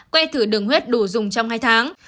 quay thử đường huyết đủ dùng trong hai tháng